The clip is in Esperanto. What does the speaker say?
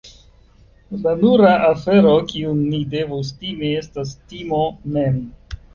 La nura afero kiun ni devus timi, estas timo mem!